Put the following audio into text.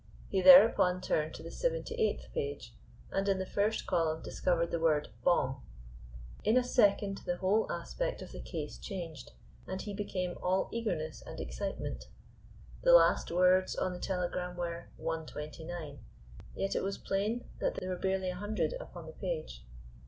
He thereupon turned to the seventy eighth page, and in the first column discovered the word Bomb. In a second the whole aspect of the case changed, and he became all eagerness and excitement. The last words on the telegram were "one twenty nine," yet it was plain that there were barely a hundred upon the page.